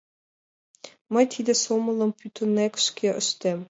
Мый тиде сомылым пӱтынек шке ыштем.